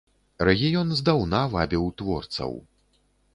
Рэгіён здаўна вабіў творцаў.